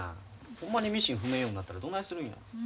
ほんまにミシン踏めんようになったらどないするんや。